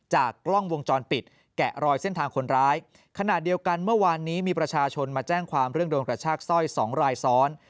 กล้องวงจรปิดแกะรอยเส้นทางคนร้ายขณะเดียวกันเมื่อวานนี้มีประชาชนมาแจ้งความเรื่องโดนกระชากสร้อยสองรายซ้อน